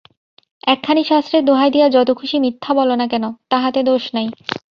একখানি শাস্ত্রের দোহাই দিয়া যত খুশী মিথ্যা বলো না কেন, তাহাতে দোষ নাই।